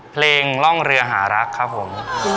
เพลงร่องเรือหารักครับผม